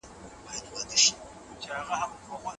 د مطالعې کلتور باید په ټولنه کي عام سي.